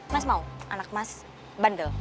mas mau anak mas bandel